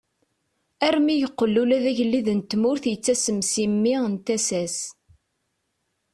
Armi yeqqel ula d agellid n tmurt yettasem si mmi n tasa-s.